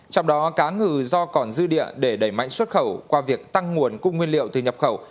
trong đó cá ngừ do còn dư địa để đẩy mạnh xuất khẩu qua việc tăng nguồn cung nguyên liệu từ nhập khẩu